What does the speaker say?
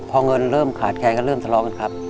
พอเงินเริ่มขาดแคลก็เริ่มทะเลาะกันครับ